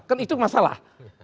kan itu masalah